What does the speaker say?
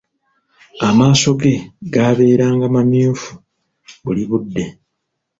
Amaaso ge gaabeeranga mamyufu buli budde.